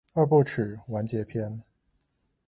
二部曲完結篇